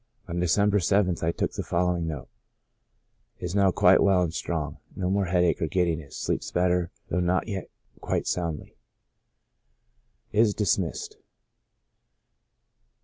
On December the 7th I took the following note: " Is now quite well and strong, no more headache or giddiness, sleeps better, though not yet quite soundly. Is dismissed."